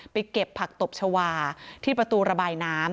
เก็บผักตบชาวาที่ประตูระบายน้ำ